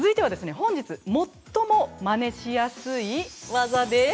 本日最もまねしやすい技です。